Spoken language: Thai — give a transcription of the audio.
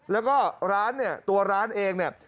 แล้วก็ร้านเนี่ยตัวร้านเองเนี่ย